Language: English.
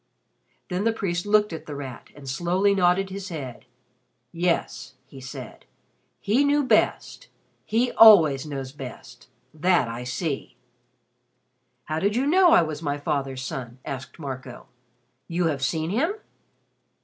Then the priest looked at The Rat and slowly nodded his head. "Yes," he said. "He knew best. He always knows best. That I see." "How did you know I was my father's son?" asked Marco. "You have seen him?"